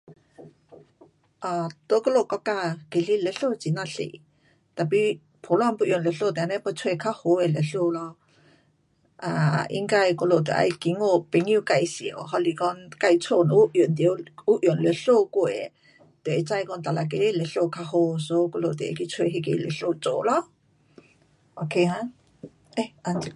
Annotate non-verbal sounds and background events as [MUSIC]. um 在我们国家其实律师很呀多，tapi 普通要用律师得找较好的律师咯。um 应该我们得要经过朋友介绍还是讲自家若有用到，有用律师过的，就会知道说哪一个律师较好。so 我们就会去找那个律师做咯。ok 哈 [NOISE]